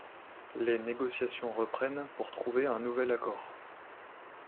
Les négociations reprennent pour trouver un nouvel accord.